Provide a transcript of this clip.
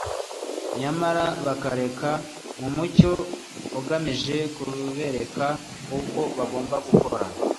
nyamara bakareka wa mucyo ugamije kubereka uko bagomba gukora, bazaba bivukije inshingano zabo mu bindi bintu